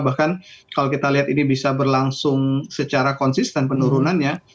bahkan kalau kita lihat ini bisa berlangsung secara konsisten penurunannya